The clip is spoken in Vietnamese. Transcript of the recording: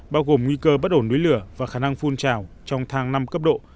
bao gồm nguy cơ bất ổn núi lửa và khả năng phun trào trong thang năm cấp độ